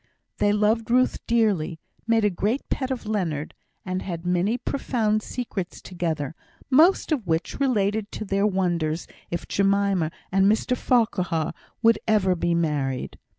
They loved Ruth dearly, made a great pet of Leonard, and had many profound secrets together, most of which related to their wonders if Jemima and Mr Farquhar would ever be married.